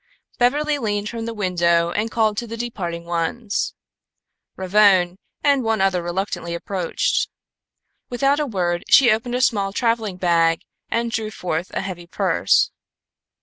Beverly leaned from the window and called to the departing ones. Ravone and one other reluctantly approached. Without a word she opened a small traveling bag and drew forth a heavy purse.